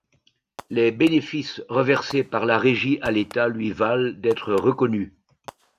Les bénéfices reversés par la Régie à l’État lui valent d’être reconnu.